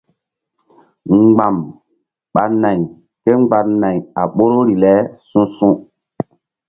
Mgba̧m ɓa nayri kémgba nay a ɓoruri le su̧su̧.